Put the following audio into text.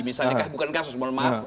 misalnya bukan kasus mohon maaf